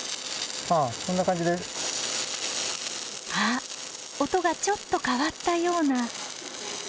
あっ音がちょっと変わったような。